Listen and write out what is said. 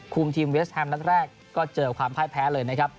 คุมทีมเวสแฮมส์ทั้งแรกก็เจอความพลาดแพ้เลยนะครับ